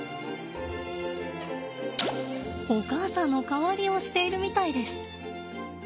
お母さんの代わりをしているみたいです。